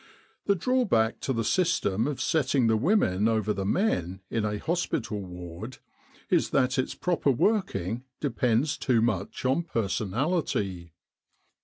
The drawback to the system of setting the women over the men in a hospital ward is that its proper working depends too 265 With the R.A.M.C. in Egypt much on personality.